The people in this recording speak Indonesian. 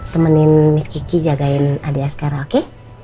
temenin miss kiki jagain adik askara oke